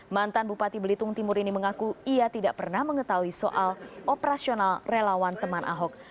mantan bupati belitung timur ini mengaku ia tidak pernah mengetahui soal operasional relawan teman ahok